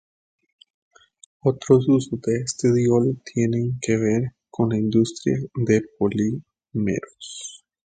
Otros usos de este diol tienen que ver con la industria de polímeros.